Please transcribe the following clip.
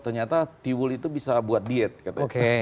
ternyata tiwul itu bisa buat dihubung